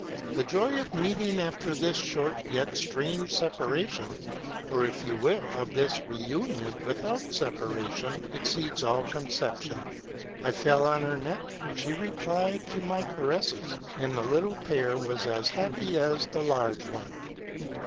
The joy of meeting after this short yet most strange separation, or, if you will, of this re union without separation, exceeds all conception. I fell on her neck : she replied to my caresses, and the little pair was as happy as the large one.